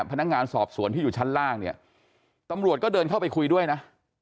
พนักงานสอบสวนที่อยู่ชั้นล่างเนี่ยตำรวจก็เดินเข้าไปคุยด้วยนะ